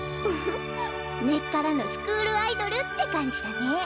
フフッ根っからのスクールアイドルって感じだね。